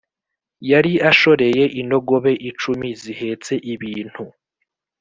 Yari ashoreye indogobe icumi zihetse ibintu